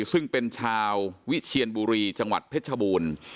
ซึ่งเป็นชาววิเชียนบุรีจังหวัดเพชรชบูรณ์